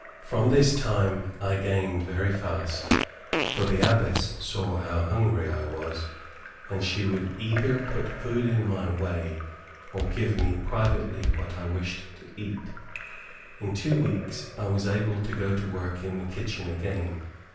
From this time I gained very fast, for the Abbess saw how hungry I was, and she would either put food in my way, or give me privately what I wished to eat. In two weeks I was able to go to work in the kitchen again.